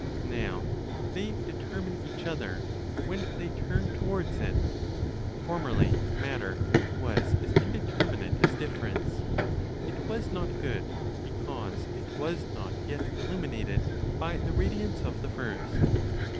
Now they determine each other when they turn towards it. Formerly, matter was as indeterminate as difference; it was not good because it was not yet illuminated by the radiance of the First.